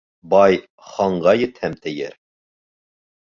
Бай «ханға етһәм» тиер